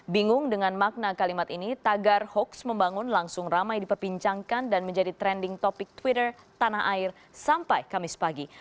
bingung dengan makna kalimat ini tagar hoax membangun langsung ramai diperbincangkan dan menjadi trending topik twitter tanah air sampai kamis pagi